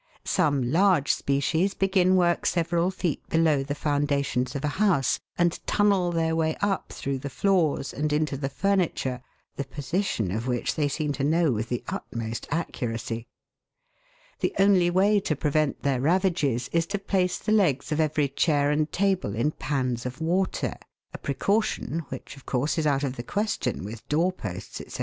Some large species begin work several feet below the foundations of a house, and tunnel their way up through the floors, and into the furniture, the position of which they seem to know with the utmost accuracy. The only EA.TEN our OF HOUSE AND HOME. 199 way to prevent their ravages is to place the legs of every chair and table in pans of water, a precaution, which, of course, is out of the question with door posts, &c.